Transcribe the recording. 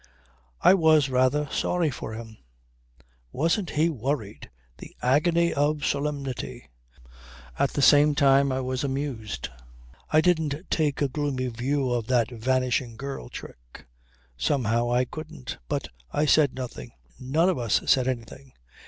I was rather sorry for him. Wasn't he worried! The agony of solemnity. At the same time I was amused. I didn't take a gloomy view of that "vanishing girl" trick. Somehow I couldn't. But I said nothing. None of us said anything.